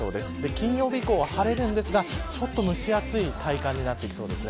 金曜日以降は晴れるんですがちょっと蒸し暑い体感になってきそうです。